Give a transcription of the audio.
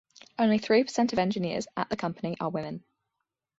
Only three percent of engineers at the company are women.